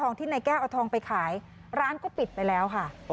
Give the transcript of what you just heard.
ที่นายแก้วเอาทองไปขายร้านก็ปิดไปแล้วค่ะ